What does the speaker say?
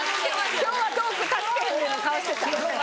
「今日はトーク助けへんで」の顔してた？